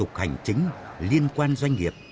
thủ tục hành chính liên quan doanh nghiệp